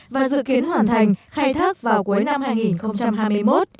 và dự kiến hoàn thành khai thác vào cuối năm hai nghìn hai mươi một